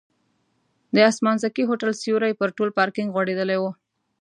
د اسمانځکي هوټل سیوری پر ټول پارکینک غوړېدلی و.